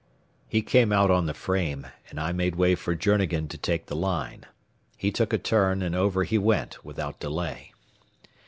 He came out on the frame, and I made way for Journegan to take the line. He took a turn, and over he went without delay.